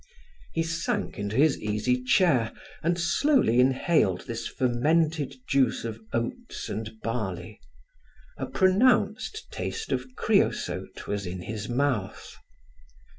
He sank into his easy chair and slowly inhaled this fermented juice of oats and barley: a pronounced taste of creosote was in his mouth.